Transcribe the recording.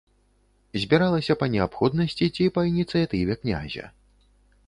Збіралася па неабходнасці ці па ініцыятыве князя.